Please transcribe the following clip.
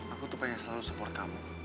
aku tuh pengen selalu support kamu